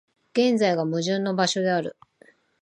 現在が矛盾の場所である。